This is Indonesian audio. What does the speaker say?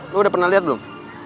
lo udah pernah liat belum